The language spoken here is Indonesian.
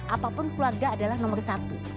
apapun keluarga adalah nomor satu